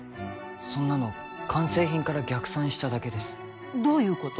そんなの完成品から逆算しただけですどういうこと？